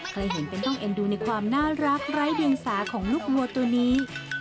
เห็นเป็นต้องเอ็นดูในความน่ารักไร้เดียงสาของลูกวัวตัวนี้